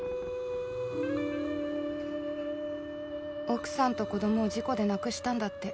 奥さんと子供を事故で亡くしたんだって。